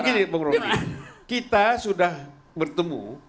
gini bung rody kita sudah bertemu